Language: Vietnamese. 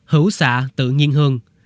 hữu xạ tự nhiên hương